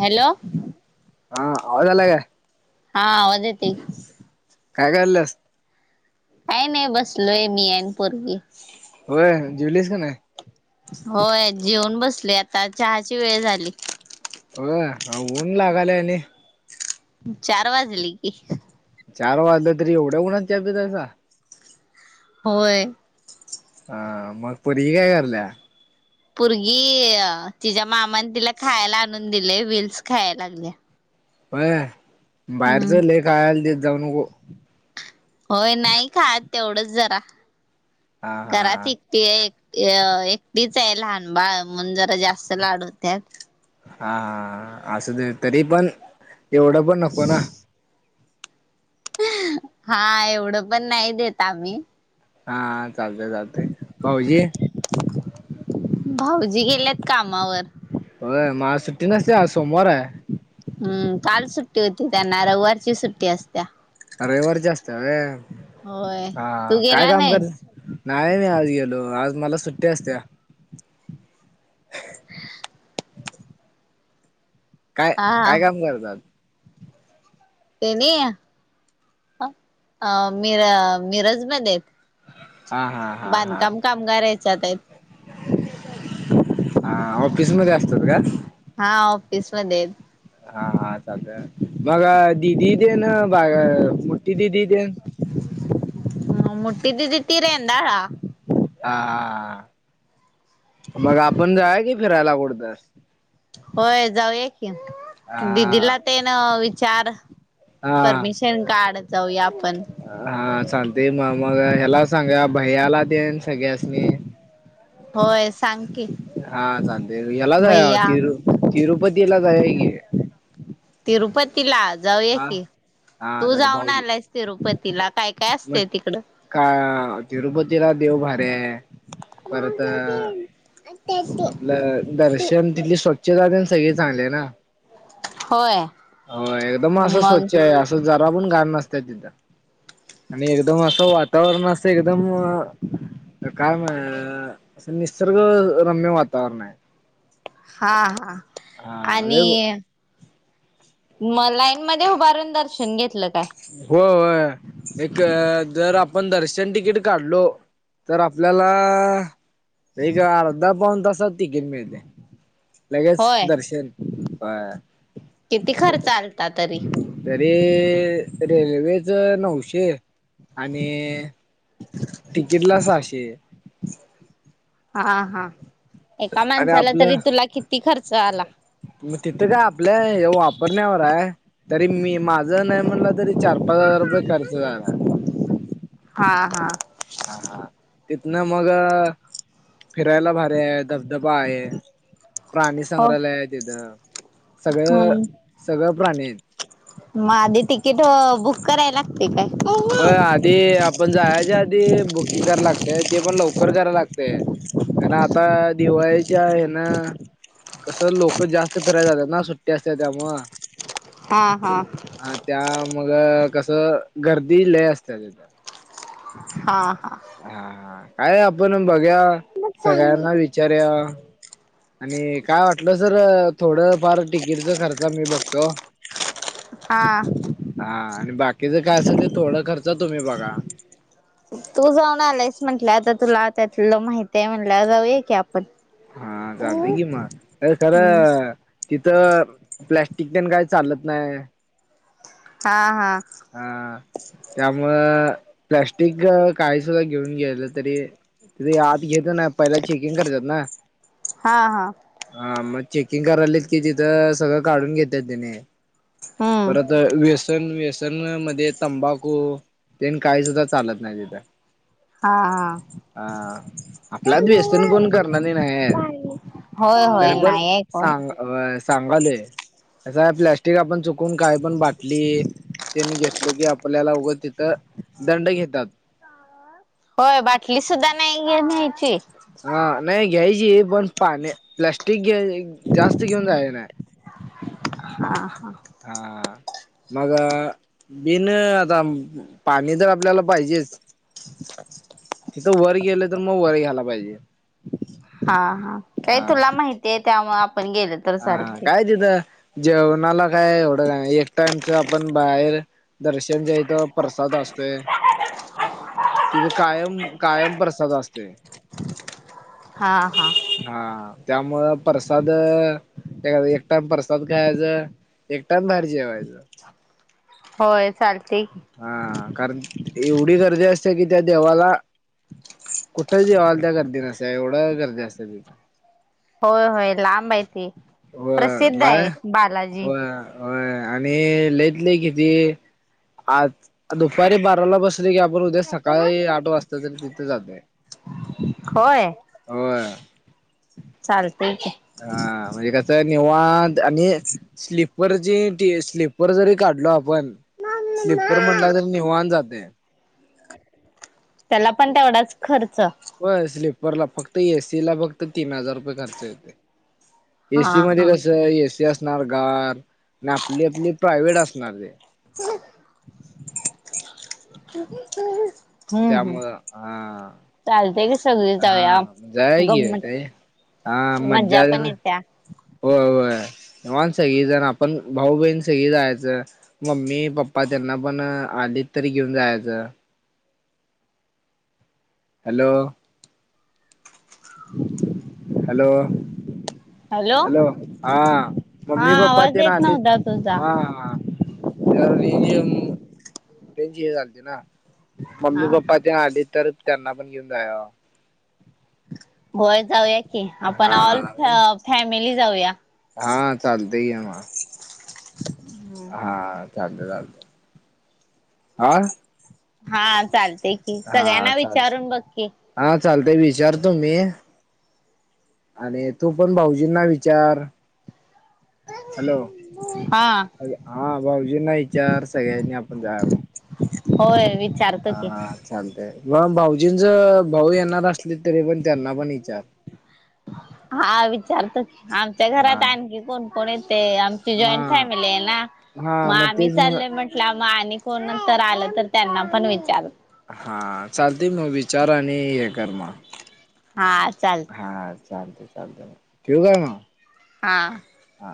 Hello हा आवाज आला काय? हा आवाज येते काय करालीयास? का नाही बसलोय मी आन पोरगी. होय जेवलीस की नाही? होय जेऊन बसले आता, चहाची वेळ झाली. होय अहो ऊन लागालय आणि चार वाजले की. चार वाजलं तरी, एवढ्या उन्हात चहा पितायसा? होय. ह मग पोरगी काय कारल्या? पोरगी तिच्या मामाने तिला खायला आणून दिले व्हिलस खायला लागल्या. व्हय बाहेरच हम्म लय खायला देत जाऊ नको. होय नाही खात तेवढंच जरा हा हा कराती. ती एक एकटीच आहे लहान बाळ, म्हणून जरा जास्त लाड होत्यात. हा हा असू देत, तरी पण एवढं पण नको ना. हा एवढं पण नाही देत आम्ही. हा हा, चालतय चालतय, भाऊजी? भाऊजी गेल्यात कामावर. होय, मग आज सुट्टी नसत्या? आज सोमवार आहे. हम्म काल सुट्टी होती त्यांना, रववारची सुट्टी असत्या. रविवारचे असते होय, होय हा तू हा, काय गेला काम करत नाहीस नाही मी आज गेलो, आज मला सुट्टी असत्या. काय हा काय काम करनार? तेनी? आ हा मिर मिरजमध्येे आहेत. हा हा. हा हा बांधकाम कामगारायचा आहेत. हा ऑफिसमध्ये असतात का? हा ऑफिस मध्ये आहेत. हा हा चालतंय. मग दीदी तेन मग मोठी दीदी तेन? हं मोठी दीदी ती रेंदाळा. हा, मग आपण जाऊया की फिरायला कुठंतर. होय जाऊया की हा दीदीला तेन विचार. हा परमिशन काढ जाऊया आपण. हा चालतंय. मग मग याला सांगा भैय्याला तेन सगळ्यासनी. होय सांग की. हा चालतंय. याला जाऊया भैया तिरू-तिरुपतीला जाऊया की. तिरुपतीला जाऊया हा की. हा तू चालते जाऊन भाऊजी आलास तिरुपतीला काय काय मग असतं तिकडं? का तिरुपतीला देव भारी हाय. परत आपलं दर्शन तिथली स्वच्छता तेन सगळी चांगली आहे ना. होय. मग असं स्वच्छ आहे, असं जरा पण घाण नसत्या तिथं. आणि एकदम असं वातावरण असं एकदम तर काय मग असं निसर्ग रम्य वातावरण आहे. हा. हा. हा अरे आणि. मग लाईनमध्ये उभारून दर्शन घेतलं काय? हो, होय, एक दर आपण दर्शन तिकीट काढलो, तर आपल्याला एक अर्धा पाऊन तासात तिकीट मिळतंय. लगेच होय दर्शन होय. किती खर्च आलता तरी. तरीे रेल्वेच नऊशे. आणि तिकीटला सहाशे. हा हा. एका आणि माणसाला आपलं तरी तुला किती खर्च आला? मग तिथं काय आपलं हे वापरण्यावर आहे. तरी मी माझं नाय म्हणलं तरी चार-पाच हजार रुपये खर्च झाला. हा हा‌. हा हा. तिथंन मग फिरायला भारी आहे, धबधबा आहे. प्राणी हो संग्रहालय आहे तिथं. सगळं सगळं प्राणी आहेत. मग आधी तिकीट बुक कराय लागती काय? ते आपण जायाच्या आधी बुकिंग करायला लागतंय. ते पण लवकर कराय लागतंय. तर आत्ता दिवाळीच्या हेन कसं लोक जास्त फिराय जात्यात ना, सुट्टी असत्या त्यामूळं. [inaudible] हा हा. हा. त्या मग कसं गर्दी लय असत्या तिथं. हा हा. हा काय आपण बघुया सगळ्यांना विचारूया. आणि काय वाटलंच तर थोडं फार तिकीट च खर्च मी बघतो. [inaudible] हा. हा आणि बाकीचं काय असेल ते थोडा खर्च तुम्ही बघा. तू जाऊन आलास म्हंटलाय आता तुला त्यातलं माहितीये म्हंटल्यावर जाऊया की आपण. हा चालतंय की हम्म मग. तर खरं तिथं प्लास्टिक तेन काय चालत नाय. हा हा. हा त्यामुळं प्लॅस्टिक काही सुद्धा घेऊन गेलं तरी तिथे आत घेतच नाही. पहिला चेकिंग करतात ना. हा हा हा, मग चेकिंग करायलात की तिथं सगळं काढून घेतेत त्यांनी. हम्म परत व्यसन, व्यसन मध्ये तंबाखू. तेन काही सुद्धा चालत नाही तिथं. हा. हा. हा आपल्यात व्यसन कोण करणारी नाहीत. होय होय तरी पण नाही आहे कोण सांग अ सांगालोय अस प्लॅस्टिक आपण चुकून काय पण बाटली त्यांनी घेतलं की आपल्याला उगं तिथं दंड घेतात. होय बाटली सुद्धा नाही घेऊन यायची? हा नाही घ्यायची पण पाणी प्लॅस्टिक घ जास्त घेऊन जायचं नाही. हा हा. हा मग बिन आता पाणी तर आपल्याला पाहिजेच. [unintelligible] तिथं वर गेलं तर मग, वर घ्यायला पाहिजे. हा हा. काय तुला माहिती आहे त्यामुळं आपण गेलो तर हा. चालते काय तिथं जेवणाला काय एवढं एक टाईमच आपण बाहेर. दर्शन च्या इथं प्रसाद असतोय. तिथं कायम कायम प्रसाद असतोय. हा हा. हा त्यामुळं प्रसाद त्या एक टाईम प्रसाद खायचा एक टाइम बाहेर जेवायचं. होय चालतंय की. हा. कारण एवढी गर्दी असते कि त्या देवाला. कुठं देवाला त्या गर्दी नसत्या एवढं गर्दी असत्या तिथं. होय, होय, लांब आहे व प्रसिद्ध लाय आहे बालाजी. होय होय आणि लय तर लय किती आज दुपारी बाराला बस की आपण उद्या सकाळी आठ वाजता तरी तिथं जातोय. होय होय. चालतय की. हा म्हणजे कसं आहे निवांत आणि स्लिपवरची स्लीपर जरी काढलो आपण पण स्लिपर म्हणला तरी निवांत जातंय. त्याला पण तेवढाच खर्च. हो स्लीपरला फक्त एसी ला फक्त तीन हजार रुपये खर्च येते. हा एसी मध्ये हा कसं आहे एसी असणार गार आणि आपली आपली प्रायव्हेट असणार गं. हं [inaudible] [unintelligible] त्यामुळं हा चालते की सगळी हा. जाऊया जाऊया की ते गंमत हा मज्जा [unintelligible] पण येत्या होय होय. निवांत सगळीजण आपण भाऊ, बहीण सगळी जायचं. मम्मी पप्पा त्यांना पण आले तर घेऊन जायचं. हॅलो. हॅलो. हॅलो आआ.. हा मम्मी आवाज पप्पाची येत नाती.. नव्हता तुझा हा हा त्या त्यांची हे चालते ना [unintelligible] हा मम्मी पप्पा जर आले, तर त्यांना पण घेऊन जाव. होय जाऊया की. आपण हा ऑल फॅमिली जाऊया. हा चालतंय की मग हा. चालत चालत आ. हा चालतय की, हा सगळ्यांना चाल विचारून बघकी. हा चालतय विचारतो मी आणि तू पण भाऊजींना विचार. हॅलो हा हा भाऊजींना विचार सगळ्यांनी आपण जाऊया मग होय विचारतो की. हा चालतय मग, भाऊजींच भाऊ येणार असले, तरी पण त्यांना.. पण विचार हा विचारतर आमच्या हा घरात आणखी कोण कोण येतय, आमची हा जॉईंट फॅमिली आहे ना! हा मग आम्ही तेच मग चालो म्हटल्या त्याया मारी कोण नंतर आलं तर त्यांना पण विचार हा चालतय मग विचार आणि हे कर.. मग हा चाल हा चालतंय चालतंय. ठेवू काय मग? हा हा